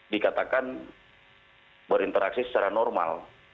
dikatakan berinteraksi secara normal